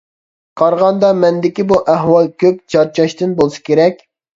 قارىغاندا مەندىكى بۇ ئەھۋال كۆپ چارچاشتىن بولسا كېرەك.